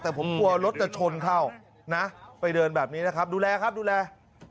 แต่ผมกลัวรถจะชนเข้านะไปเดินแบบนี้นะครับดูแลครับดูแล